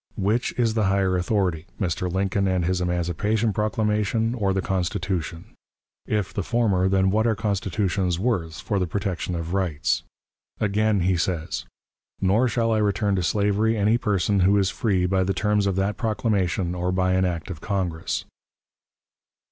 Which is the higher authority, Mr. Lincoln and his emancipation proclamation or the Constitution? If the former, then what are constitutions worth for the protection of rights? Again he says: "Nor shall I return to slavery any person who is free by the terms of that proclamation or by an act of Congress."